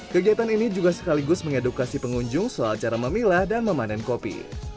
kegiatan ini juga sekaligus mengedukasi pengunjung soal cara memilah dan memanen kopi